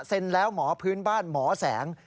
แล้วหมอพื้นบ้านหมอแสง